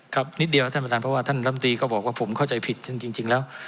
ครับนิดเดียวครับท่านประธานเพราะว่าท่านรัฐมนตรีก็บอกว่าผมเข้าใจผิดจริงจริงแล้ว